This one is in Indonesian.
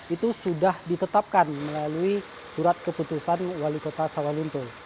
itu sudah ditetapkan melalui surat keputusan wali kota sawalunto